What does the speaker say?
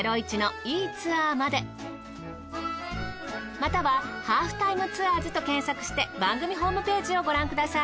または『ハーフタイムツアーズ』と検索して番組ホームページをご覧ください。